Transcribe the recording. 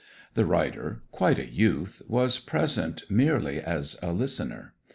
The writer, quite a youth, was present merely as a listener.